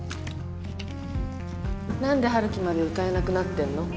何で陽樹まで歌えなくなってんの？